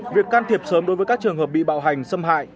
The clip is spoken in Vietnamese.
việc can thiệp sớm đối với các trường hợp bị bạo hành xâm hại